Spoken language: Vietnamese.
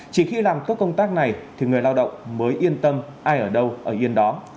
chỉ khi làm tốt công tác này thì người lao động mới yên tâm ai ở đâu ở yên đó